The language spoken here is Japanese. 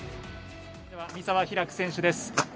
三澤拓選手です。